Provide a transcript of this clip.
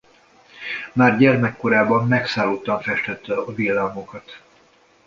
Már gyermekkorában megszállottan festette a villámokat.